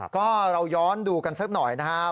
ก็เราย้อนดูกันสักหน่อยนะครับ